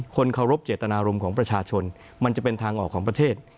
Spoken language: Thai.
คนเคารพเจตนารมณ์ของประชาชนมันจะเป็นทางออกของประเทศ